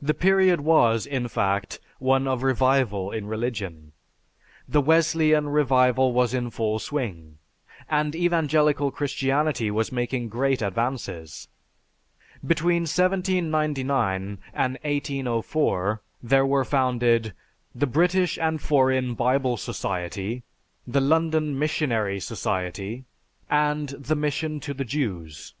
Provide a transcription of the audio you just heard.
The period was, in fact, one of revival in religion. The Wesleyan revival was in full swing, and Evangelical Christianity was making great advances. Between 1799 and 1804 there were founded, "The British and Foreign Bible Society," "The London Missionary Society," and "The Mission To The Jews."